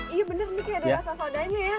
iya bener nih kayak ada rasa sodanya ya